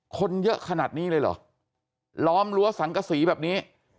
คนเยอะขนาดนี้เลยเหรอล้อมรั้วสังกษีแบบนี้